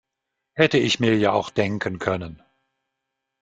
Hätte ich mir ja auch denken können.